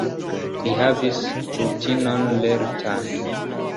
Li havis rutinon lertan.